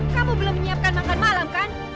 kamu belum menyiapkan makan malam kan